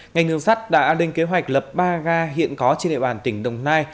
ngành đường sắt đã lên kế hoạch lập ba ga hiện có trên địa bàn tỉnh đồng nai